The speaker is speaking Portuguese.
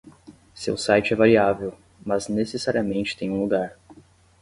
Seu site é variável, mas necessariamente tem um lugar.